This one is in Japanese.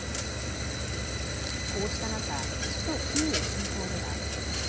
こうした中、首都キーウ近郊では。